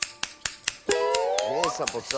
ねえサボさん。